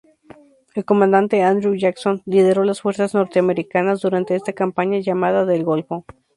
El comandante Andrew Jackson lideró las fuerzas norteamericanas durante esta campaña, llamada "del Golfo".